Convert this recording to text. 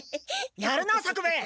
やるなあ作兵衛！